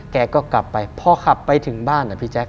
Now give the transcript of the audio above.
แกก็กลับไปพอขับไปถึงบ้าน